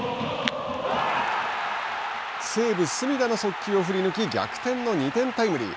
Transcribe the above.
西武、隅田の速球を振り抜き逆転の２点タイムリー。